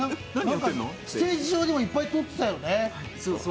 ステージ上でもいっぱい撮ってたよね。